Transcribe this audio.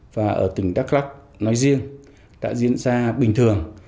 và ở tỉnh đắk lắc nói riêng đã diễn ra bình thường